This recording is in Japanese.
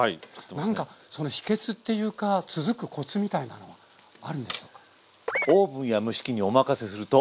なんかその秘けつっていうか続くコツみたいなのはあるんでしょうか。